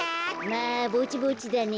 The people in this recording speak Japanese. まあぼちぼちだね。